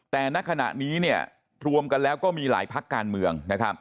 แต่ณขณะนี้รวมกันแล้วก็มีหลายพักการเมือง